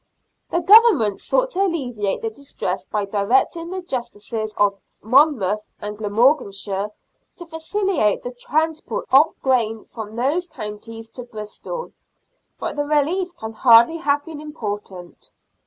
The Government sought to alleviate the distress by directing the justices of Monmouth and Glamorganshire to facilitate the transport of grain from those counties to Bristol, but the relief can hardly have been important.